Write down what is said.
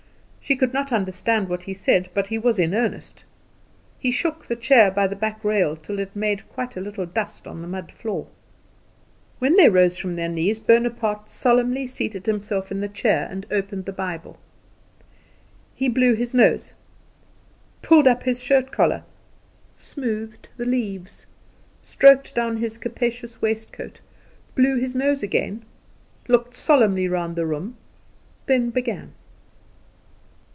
She could not understand what he said; but he was in earnest. He shook the chair by the back rail till it made quite a little dust on the mud floor. When they rose from their knees Bonaparte solemnly seated himself in the chair and opened the Bible. He blew his nose, pulled up his shirt collar, smoothed the leaves, stroked down his capacious waistcoat, blew his nose again, looked solemnly round the room, then began.